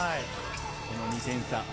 この２点差。